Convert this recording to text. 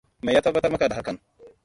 Me ya tabbatar maka da hakan?